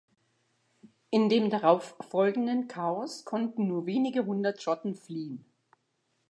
In dem darauf folgenden Chaos konnten nur wenige hundert Schotten fliehen.